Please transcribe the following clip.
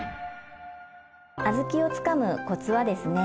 小豆をつかむコツはですね